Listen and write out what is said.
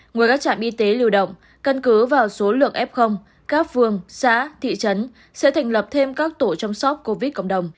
ngoài các trạm y tế lưu động căn cứ vào số lượng f các phương xã thị trấn sẽ thành lập thêm các tổ chăm sóc covid cộng đồng